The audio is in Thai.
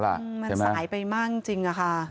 มันสายไปมากจริงอะค่ะ